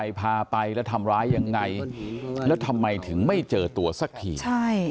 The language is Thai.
พาไปแล้วทำร้ายยังไงแล้วทำไมถึงไม่เจอตัวสักที